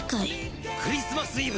クリスマスイブ！